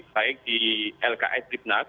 baik di lks triplas